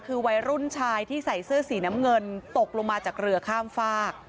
คือวัยรุ่นชายที่ใส่เสื้อสีน้ำเงินตกลงมาจากเรือข้ามฝาก